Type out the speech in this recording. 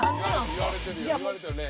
言われてるよ廉。